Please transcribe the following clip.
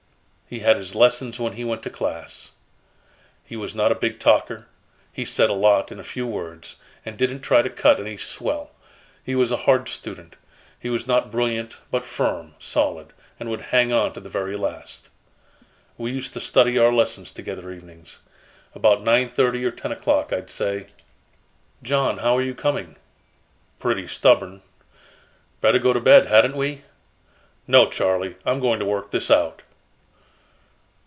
He had his lessons when he went to class. He was not a big talker. He said a lot in a few words, and didn't try to cut any swell. He was a hard student. He was not brilliant, but firm, solid, and would hang on to the very last. We used to study our lessons together evenings. About nine thirty or ten o'clock, I'd say: "'John, how are you coming?' "'Pretty stubborn.' "'Better go to bed, hadn't we?' "'No, Charley, I'm going to work this out.'"